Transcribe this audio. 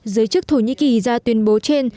giới chức thổ nhĩ kỳ ra tuyên bố trên